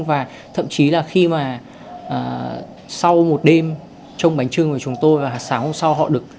và thậm chí là khi mà sau một đêm trong bánh trưng của chúng tôi và sáng hôm sau họ được